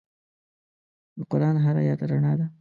د قرآن هر آیت رڼا ده.